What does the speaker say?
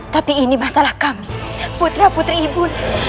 tapi ini masalah kami putra putri ibu